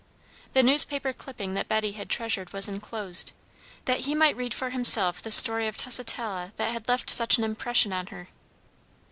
The newspaper clipping that Betty had treasured was enclosed, that he might read for himself the story of Tusitala that had left such an impression on her.